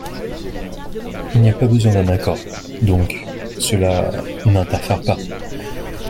Il n’y a pas besoin d’un accord, donc cela n’interfère pas.